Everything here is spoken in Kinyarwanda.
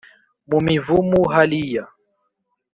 mu mivumu haliya!